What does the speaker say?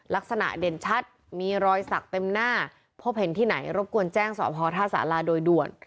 ลักษณะเด่นชัดมีรอยสักเต็มหน้าพบเห็นที่ไหนรบกวนแจ้งสพท่าสาราโดยด่วน